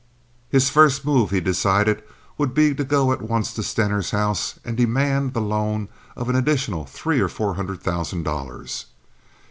His first move, he decided, would be to go at once to Stener's house and demand the loan of an additional three or four hundred thousand dollars.